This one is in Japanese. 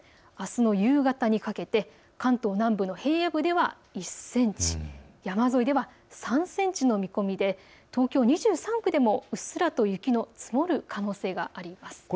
あすの夕方にかけて関東南部の平野部では１センチ、山沿いでは３センチの見込みで東京２３区でもうっすらと雪の降る可能性があります。